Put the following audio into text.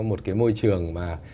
nó là một cái môi trường